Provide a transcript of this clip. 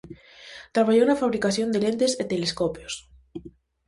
Traballou na fabricación de lentes e telescopios.